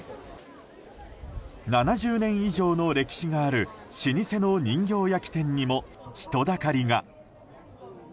７０年以上の歴史がある、老舗の人形焼き店にも人だかりが。